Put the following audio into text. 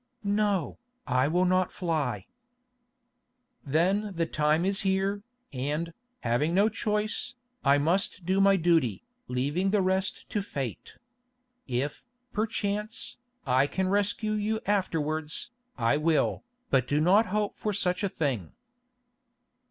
"No, I will not fly." "Then the time is here, and, having no choice, I must do my duty, leaving the rest to fate. If, perchance, I can rescue you afterwards, I will, but do not hope for such a thing."